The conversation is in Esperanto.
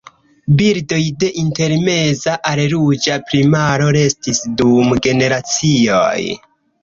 Birdoj de intermeza al ruĝa plumaro restis dum generacioj.